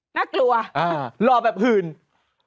หวังิรักแบบหน้า